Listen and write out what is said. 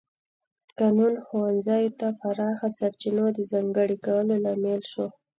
قانون ښوونځیو ته پراخو سرچینو د ځانګړي کولو لامل شو.